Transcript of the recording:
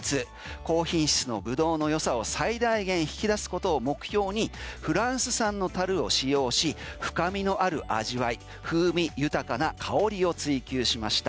高品質のブドウの良さを最大限に引き出すことを目標にフランス産の樽を使用し深みのある味わい風味豊かな香りを追求しました。